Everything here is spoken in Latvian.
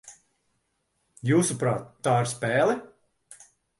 Jūsuprāt, tā ir spēle?